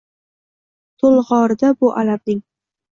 To’lg’orida bu alamning